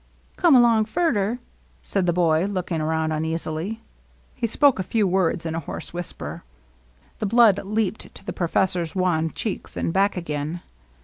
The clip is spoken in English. ^^Come along furder," said the boy, looking around uneasily. He spoke a few words in a hoarse whisper. The blood leaped to the professor's wan cheeks, and back again.